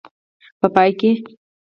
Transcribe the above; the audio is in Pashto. په پای کې.